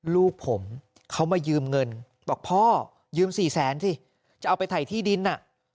ลูกผมเขามายืมเงินบอกพ่อยืมสี่แสนสิจะเอาไปถ่ายที่ดินอ่ะ